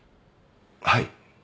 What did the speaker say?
はい。